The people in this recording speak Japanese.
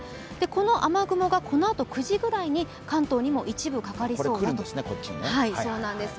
この雨雲がこのあと９時ぐらいに関東にも一部、かかりそうなんです。